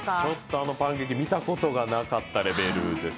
あのパンケーキ、見たことがなかったレベルです。